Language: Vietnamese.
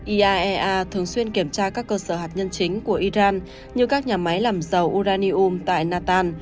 iaea thường xuyên kiểm tra các cơ sở hạt nhân chính của iran như các nhà máy làm dầu uranium tại natan